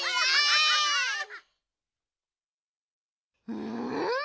うん？